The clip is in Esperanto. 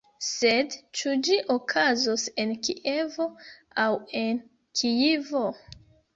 Sed ĉu ĝi okazos en Kievo aŭ en Kijivo?